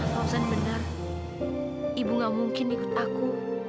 sausan benar ibu gak mungkin ikut aku